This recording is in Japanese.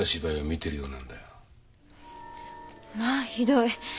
まあひどい。